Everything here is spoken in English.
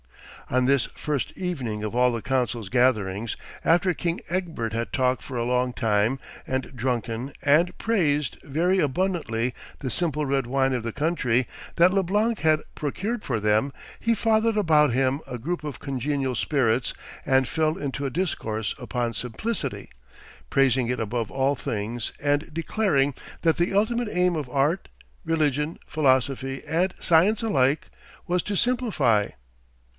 On this first evening of all the council's gatherings, after King Egbert had talked for a long time and drunken and praised very abundantly the simple red wine of the country that Leblanc had procured for them, he gathered about him a group of congenial spirits and fell into a discourse upon simplicity, praising it above all things and declaring that the ultimate aim of art, religion, philosophy, and science alike was to simplify.